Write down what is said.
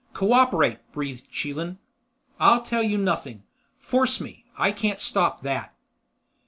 "Co operate," breathed Chelan. "I'll tell you nothing. Force me. I can't stop that."